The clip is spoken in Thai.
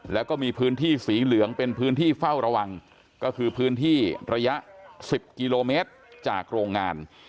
แล้วก็มีพื้นที่สีเหลืองเป็นพื้นที่เฝ้าระวังก็คือพื้นที่ระยะ๑๐กิโลเมตรจากโรงงาน